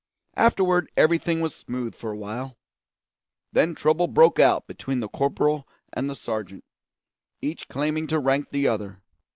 Afterward everything was smooth for a while; then trouble broke out between the corporal and the sergeant, each claiming to rank the other.